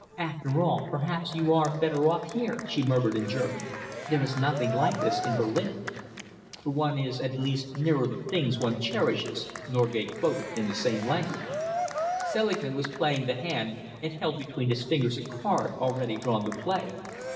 "After all, perhaps you are better off here," she murmured in German. "There is nothing like this in Berlin." "One is at least nearer the things one cherishes," Norgate quoted in the same language. Selingman was playing the hand and held between his fingers a card already drawn to play.